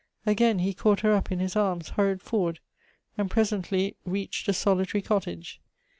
Again he caught her up in his arms, hurried forward, and presently reached a solitary cottage.